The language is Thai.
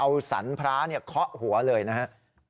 เอาสรรพร้าเนี่ยเคาะหัวเลยนะฮะ